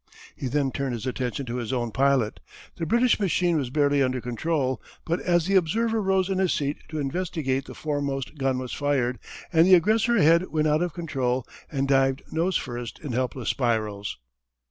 He then turned his attention to his own pilot. The British machine was barely under control, but as the observer rose in his seat to investigate the foremost gun was fired, and the aggressor ahead went out of control and dived nose first in helpless spirals.